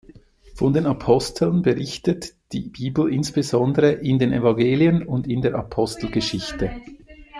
Von den Aposteln berichtet die Bibel insbesondere in den Evangelien und in der Apostelgeschichte.